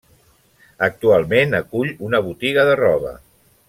Actualment acull una botiga de roba.